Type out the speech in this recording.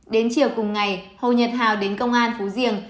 đến chiều cùng ngày hồ nhật hào đến công an phú riêng